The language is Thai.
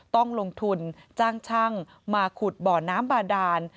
ต้องลงทุนจ้างช่างมาขุดบ่อน้ำบาดาน